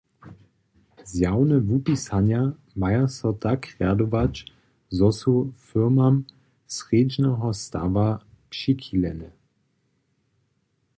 Zjawne wupisanja maja so tak rjadować, zo su firmam srjedźneho stawa přichilene.